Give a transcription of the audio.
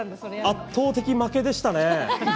圧倒的負けでしたね。